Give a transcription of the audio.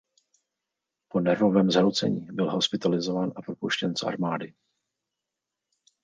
Po nervovém zhroucení byl hospitalizován a propuštěn z armády.